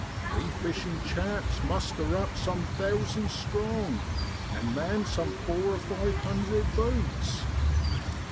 We fishin' chaps muster up some thousands strong an' man some four or five hundred boats.